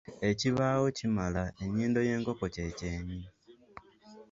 Ekibaawo kimala, ennyindo y’enkoko kye kyenyi.